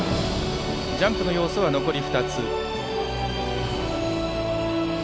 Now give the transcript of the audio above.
ジャンプの要素は残り２つ。